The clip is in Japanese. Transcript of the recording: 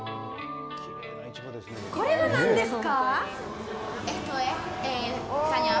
これは何ですか？